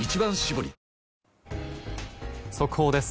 速報です。